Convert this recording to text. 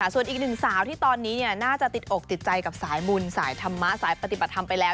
ส่วนอีกหนึ่งสาวที่ตอนนี้น่าจะติดอกติดใจกับสายบุญสายธรรมะสายปฏิบัติธรรมไปแล้ว